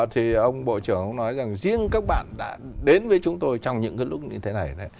thì ông bộ trưởng nói rằng riêng các bạn đã đến với chúng tôi trong những cái lúc như thế này